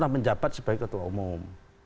menjabat sebagai ketua umum